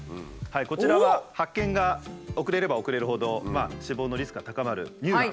こちらは発見が遅れれば遅れるほど死亡のリスクが高まる乳がん。